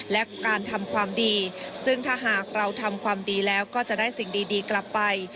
และการทำความดีซึ่งถ้าหากเราทำความดีแล้วก็จะได้สิ่งดีกลับไป